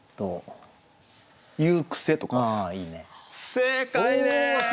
正解です！